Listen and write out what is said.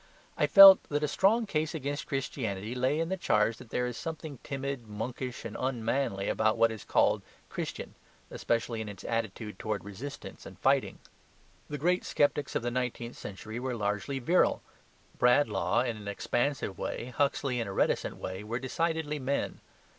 I felt that a strong case against Christianity lay in the charge that there is something timid, monkish, and unmanly about all that is called "Christian," especially in its attitude towards resistance and fighting. The great sceptics of the nineteenth century were largely virile. Bradlaugh in an expansive way, Huxley, in a reticent way, were decidedly men.